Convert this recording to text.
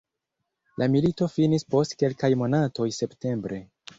La milito finis post kelkaj monatoj septembre.